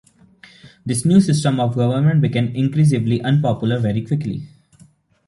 This new system of government became increasingly unpopular very quickly.